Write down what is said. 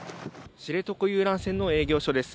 知床遊覧船の営業所です。